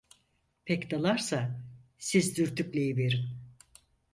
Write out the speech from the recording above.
Pek dalarsa siz dürtükleyiverin.